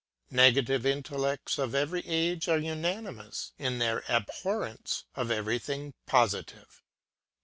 Negative intellects of every age are unanimous in their abhorrence of everything positive.